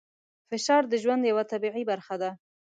فشار د ژوند یوه طبیعي برخه ده.